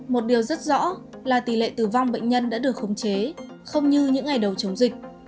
một điều rất rõ là tỷ lệ tử vong bệnh nhân đã được khống chế không như những ngày đầu chống dịch